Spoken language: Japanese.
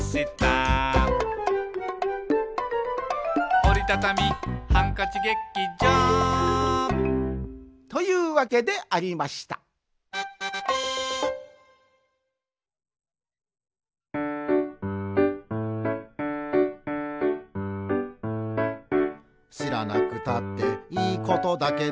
「おりたたみハンカチ劇場」というわけでありました「しらなくたっていいことだけど」